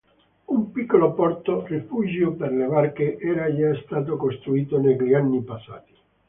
Un piccolo porto, rifugio per le barche, era già stato costruito negli anni passati.